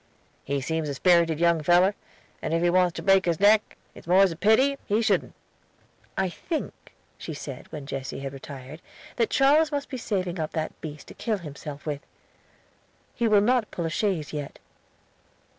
"He seems a sperrited young feller, and if he wants to break his neck it's most a pity he shouldn't." "I think," she said when Jesse had retired, "that Charles must be saving up that beast to kill himself with. He will not pull a chaise yet."